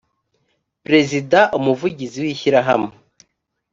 perezida umuvugizi w ishyirahamwe